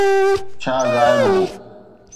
ڇا غائب هو؟